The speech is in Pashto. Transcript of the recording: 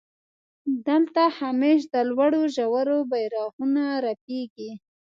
دلته همېش د لوړو ژورو بيرغونه رپېږي.